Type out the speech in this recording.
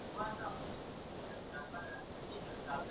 زه د ډېر وخت راهیسې اقتصاد لولم.